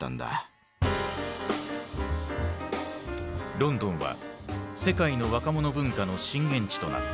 ロンドンは世界の若者文化の震源地となった。